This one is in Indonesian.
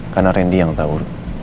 karena randy yang tau